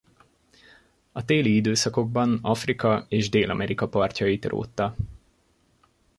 A téli időszakokban Afrika és Dél-Amerika partjait rótta.